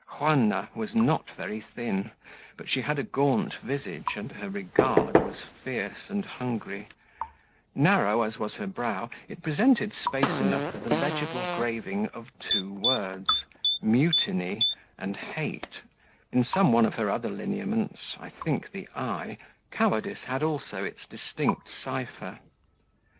Juanna was not very thin, but she had a gaunt visage, and her "regard" was fierce and hungry; narrow as was her brow, it presented space enough for the legible graving of two words, Mutiny and Hate; in some one of her other lineaments I think the eye cowardice had also its distinct cipher.